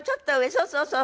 そうそうそう。